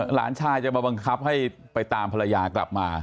หลานชายจะมาบังคับให้ไปตามภรรยากลับมา